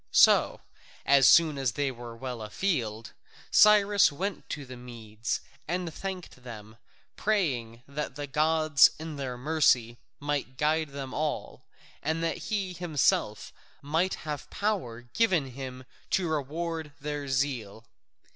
So, as soon as they were well afield, Cyrus went to the Medes and thanked them, praying that the gods in their mercy might guide them all, and that he himself might have power given him to reward their zeal.